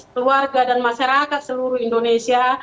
keluarga dan masyarakat seluruh indonesia